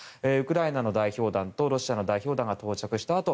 ウクライナの代表団とロシアの代表団が到着した